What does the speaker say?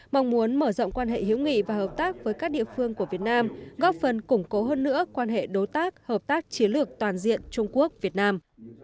mong muốn mở rộng quan hệ hữu nghị và hợp tác với các địa phương của việt nam góp phần củng cố hơn nữa quan hệ đối tác hợp tác chiến lược toàn diện trung quốc việt nam